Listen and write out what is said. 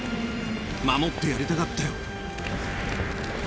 守ってやりたかったよ。